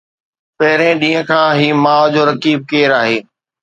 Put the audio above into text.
پهرين ڏينهن کان هي ماءُ جو رقيب ڪير آهي؟